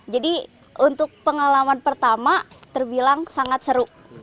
jadi untuk pengalaman pertama terbilang sangat seru